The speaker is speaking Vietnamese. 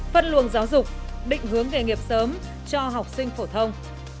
phân luồng giáo dục định hướng nghề nghiệp sớm cho học sinh phổ thông